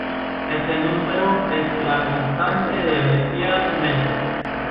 Ese número es la constante de Meissel-Mertens.